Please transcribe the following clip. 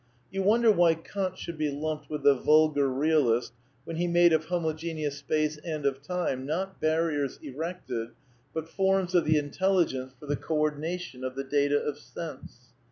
You wonder why Kant should be lumped with the vulgar realist when he made of homogeneous space and of time, % not barriers erected, but forms of the intelligence for the ^"^ co ordination of the data of sense.